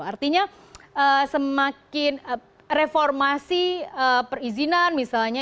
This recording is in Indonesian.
artinya semakin reformasi perizinan misalnya